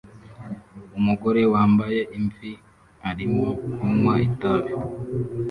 Umugore wambaye imvi arimo kunywa itabi